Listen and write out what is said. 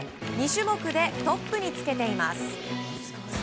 ２種目でトップにつけています。